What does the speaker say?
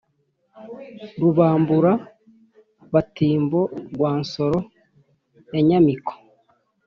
rubambura-batimbo rwa nsoro ya nyamiko